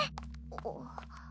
あっ。